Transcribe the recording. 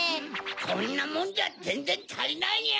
こんなもんじゃぜんぜんたりないにゃ！